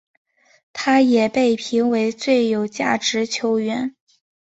他也被评为最有价值球员。